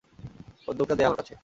বন্দুকটা দে আমার কাছে।